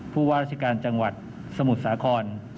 ผู้ว่าราชการจังหวัดสมุทรสาคร